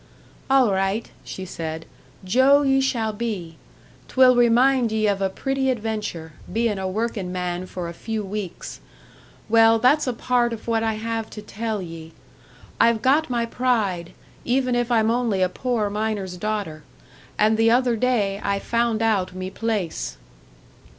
"All right," she said, "Joe ye shall be. 'Twill remind ye of a pretty adventure bein' a workin' man for a few weeks. Well, that's a part of what I have to tell ye. I've got my pride, even if I'm only a poor miner's daughter; and the other day I found out me place."